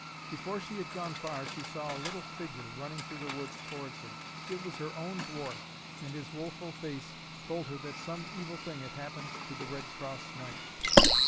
Before she had gone far she saw a little figure running through the woods towards her. It was her own dwarf, and his woful face told her that some evil thing had happened to the Red Cross Knight.